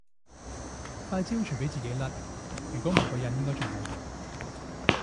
塊焦除非自然甩如果唔係個印應該都仲喺度